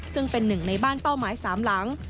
ซึ่งเป็นหนึ่งในบ้านเป้าหมาย๓หลัง